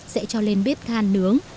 sẽ cho lên bếp than nướng